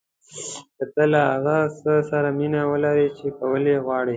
که تۀ له هغه څه سره مینه ولرې چې کول یې غواړې.